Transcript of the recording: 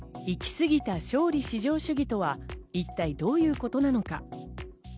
行き過ぎた勝利至上主義とは一体どういうことなのか？